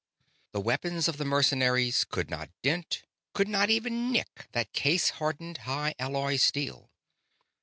The weapons of the mercenaries could not dent, could not even nick, that case hardened high alloy steel.